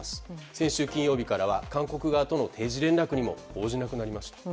先週金曜日からは韓国側との定時連絡にも応じなくなりました。